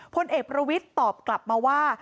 พลเอกประวิทย์ตอบกลับมาว่า